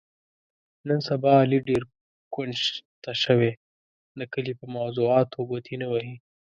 نن سبا علي ډېر کونج ته شوی، د کلي په موضاتو ګوتې نه وهي.